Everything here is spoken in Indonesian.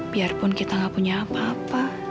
biarpun kita gak punya apa apa